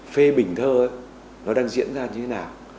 phê bình thơ nó đang diễn ra như thế nào